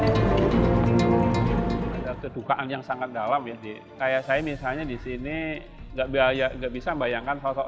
ada kedukaan yang sangat dalam kayak saya misalnya di sini nggak bisa bayangkan sosok